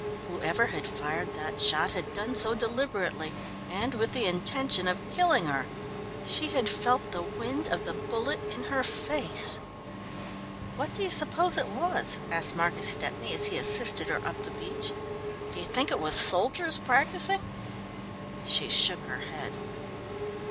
Whoever had fired that shot had done so deliberately, and with the intention of killing her. She had felt the wind of the bullet in her face. "What do you suppose it was?" asked Marcus Stepney as he assisted her up the beach. "Do you think it was soldiers practising?" She shook her head.